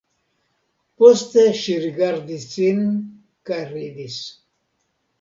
Poste ŝi rigardis sin kaj ridis.